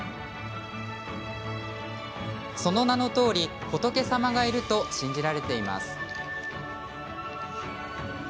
その名のとおり仏様がいると信じられています。